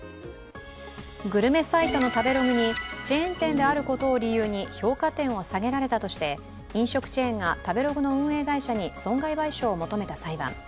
グルメサイトの食べログにチェーン店であることを理由に評価点を下げられたとして、飲食チェーンが食べログの運営会社に損害賠償を求めた裁判。